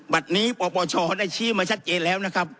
บัตรนี้ปปชได้ชี้มาชัดเจนแล้วนะครับ